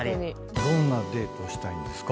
どんなデートしたいんですか？